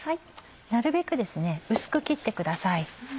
なるべく薄く切ってください。